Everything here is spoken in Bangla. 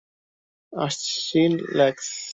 আসছি, লেক্স!